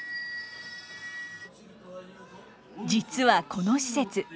実はこの施設